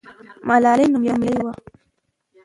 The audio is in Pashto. ملالۍ نومیالۍ وه.